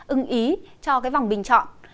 ưng ý cho cái vòng bình chọn